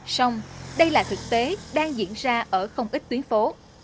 xong đây là thực tế đang diễn ra ở không ít tuyến phố